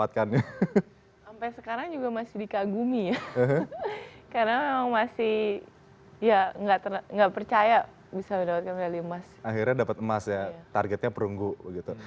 akhirnya dapat emas ya targetnya perunggu begitu